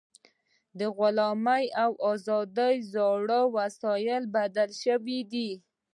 د غلامۍ او ازادۍ زاړه وسایل بدل شوي دي.